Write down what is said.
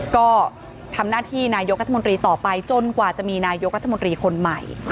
ก็ทำหน้าที่นายกรรภ์กรรมตรีต่อไปจนกว่าจะมีนายกรรภ์กรรมตรีคนใหม่